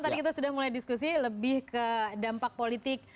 tadi kita sudah mulai diskusi lebih ke dampak politik